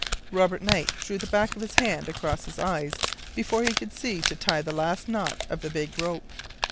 Robert Knight drew the back of his hand across his eyes before he could see to tie the last knot of the big rope.